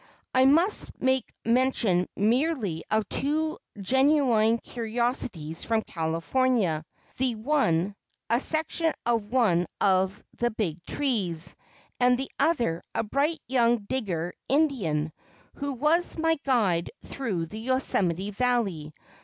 I must make mention merely of two genuine curiosities from California the one a section of one of the big trees, and the other a bright young Digger Indian, who was my guide through the Yosemite Valley.